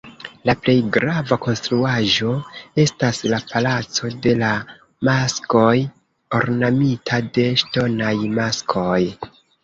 La plej grava konstruaĵo estas la "palaco de la maskoj", ornamita de ŝtonaj maskoj.